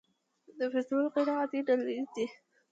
د فیستول غیر عادي نلۍ ده.